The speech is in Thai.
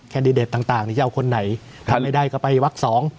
ดิเดตต่างนี่จะเอาคนไหนถ้าไม่ได้ก็ไปวักสอง